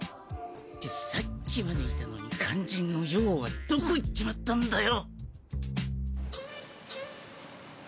ってさっきまでいたのに肝心の葉はどこ行っちまったんだよ！